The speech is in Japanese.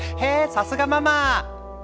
さすがママ！」